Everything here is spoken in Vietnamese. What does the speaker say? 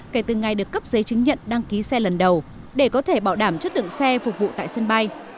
kể từ ngày được cấp giấy chứng nhận đăng ký xe lần đầu để có thể bảo đảm chất lượng xe phục vụ tại sân bay